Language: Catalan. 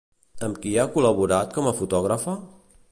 Amb qui ha col·laborat com a fotògrafa?